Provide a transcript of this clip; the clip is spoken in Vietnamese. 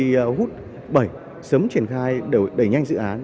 thì hút bảy sớm triển khai đẩy nhanh dự án